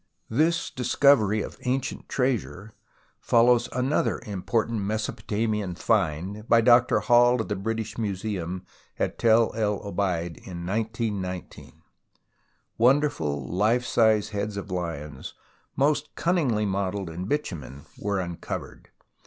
This discovery of ancient treasure follows another important Mesopotamian find, by Dr. Hall, of the British Museum, at Tell el Obeid in 1919. Wonder ful life size heads of lions, most cunningly modelled in bitumen, were uncovered.